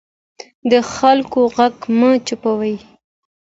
د خلکو غږ مه چوپوئ